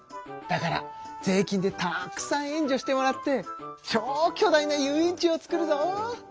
だから税金でたくさん援助してもらって超巨大な遊園地を作るぞ！